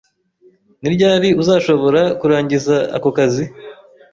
Ni ryari uzashobora kurangiza ako kazi?